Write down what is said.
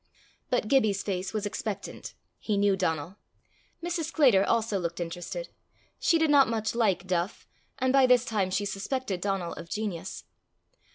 But Gibbie's face was expectant: he knew Donal. Mrs. Sclater also looked interested: she did not much like Duff, and by this time she suspected Donal of genius.